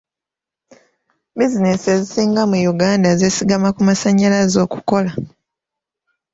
Bizinensi ezisinga mu Uganda zesigama ku masannyalaze okukola.